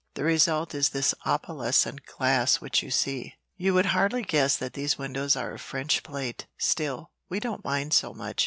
The result is this opalescent glass which you see. You would hardly guess that these windows are of French plate. Still, we don't mind so much.